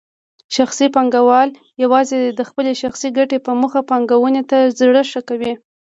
شخصي پانګوال یوازې د خپلې شخصي ګټې په موخه پانګونې ته زړه ښه کوي.